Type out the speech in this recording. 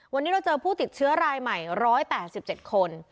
วันนี้เราเจอผู้ติดเชื้อรายใหม่๑๘๗คน